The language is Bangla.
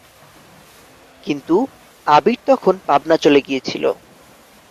কিন্তু আবির তখন পাবনা চলে গিয়েছিলো।